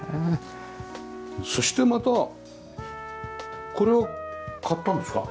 そしてまたこれは買ったんですか？